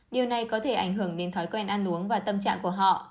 điều này có thể ảnh hưởng đến thói quen ăn uống và tâm trạng của họ